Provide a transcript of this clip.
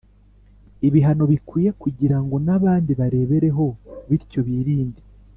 ibihano bikwiye kugira ngo n abandi barebereho bityo birinde